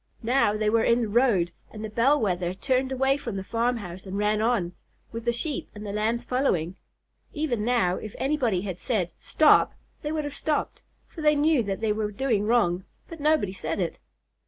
Now they were in the road and the Bell Wether turned away from the farmhouse and ran on, with the Sheep and the Lambs following. Even now, if anybody had said, "Stop!" they would have stopped, for they knew that they were doing wrong; but nobody said it.